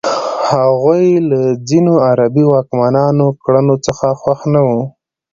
هغوی له ځینو عربي واکمنانو کړنو څخه خوښ نه وو.